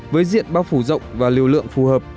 với diện bao phủ rộng và liều lượng phù hợp